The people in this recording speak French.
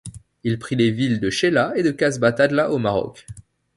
Il prit les villes de Chella et de Kasba Tadla au Maroc.